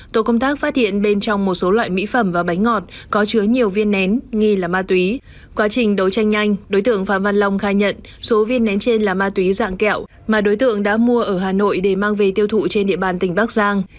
tổ công tác phát hiện bên trong một số loại mỹ phẩm và bánh ngọt có chứa nhiều viên nén nghi là ma túy quá trình đấu tranh nhanh đối tượng phạm văn long khai nhận số viên nén trên là ma túy dạng kẹo mà đối tượng đã mua ở hà nội để mang về tiêu thụ trên địa bàn tỉnh bắc giang